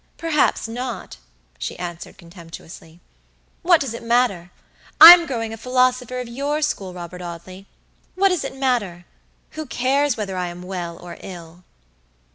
"Perhaps not," she answered, contemptuously. "What does it matter? I'm growing a philosopher of your school, Robert Audley. What does it matter? Who cares whether I am well or ill?"